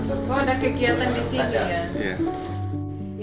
kalau ada kegiatan di sini ya